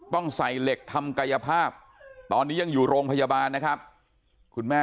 ต้องใส่เหล็กทำกายภาพตอนนี้ยังอยู่โรงพยาบาลนะครับคุณแม่